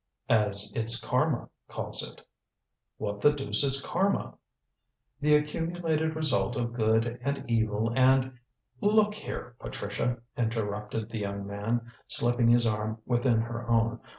"As its Karma calls it." "What the deuce is Karma?" "The accumulated result of good and evil and " "Look here, Patricia!" interrupted the young man, slipping his arm within her own.